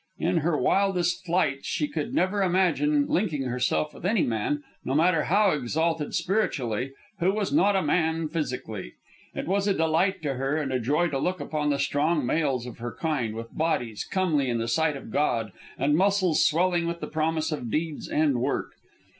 In her wildest flights she could never imagine linking herself with any man, no matter how exalted spiritually, who was not a man physically. It was a delight to her and a joy to look upon the strong males of her kind, with bodies comely in the sight of God and muscles swelling with the promise of deeds and work.